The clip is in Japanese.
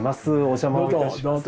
お邪魔をいたします。